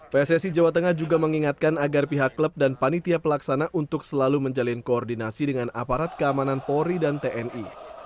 pssi jawa tengah juga mengingatkan agar pihak klub dan panitia pelaksana untuk selalu menjalin koordinasi dengan aparat keamanan polri dan tni